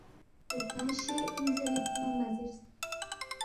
تا کھیانگ شیے اِن زیرے کھونگ مہ زیرس